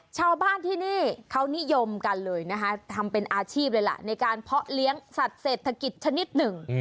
ชาวบ้านที่นี่เขานิยมกันเลยนะคะทำเป็นอาชีพเลยล่ะในการเพาะเลี้ยงสัตว์เศรษฐกิจชนิดหนึ่ง